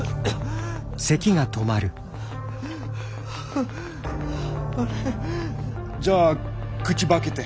ああれ？じゃあ口ば開けて！